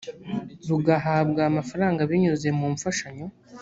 rugahabwa amafaranga binyuze mu mfashanyo